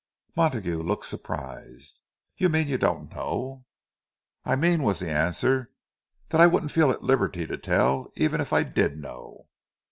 Montague looked surprised. "You mean you don't know?" "I mean," was the answer, "that I wouldn't feel at liberty to tell, even if I did know."